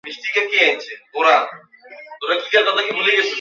তিনি M P Shah medical college থেকে স্নাতক হন।